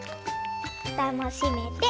ふたもしめて。